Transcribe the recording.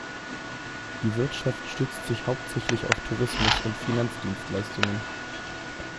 Die Wirtschaft stützt sich hauptsächlich auf Tourismus und Finanzdienstleistungen.